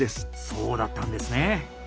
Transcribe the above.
そうだったんですね。